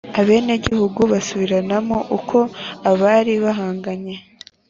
abenegihugu basubiranamo, uko abari bahanganye